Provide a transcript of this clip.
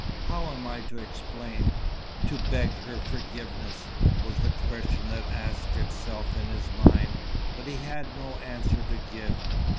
"How am I to explain to beg her forgiveness?" was the question that asked itself in his mind; but he had no answer to give.